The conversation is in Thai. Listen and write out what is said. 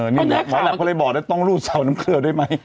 อ๋อเพราะมั้ยละพอเลยบอกต้องรูดเศร้าน้ำเครือได้ไหม